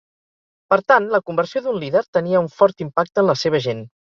Per tant, la conversió d'un líder tenia un fort impacte en la seva gent.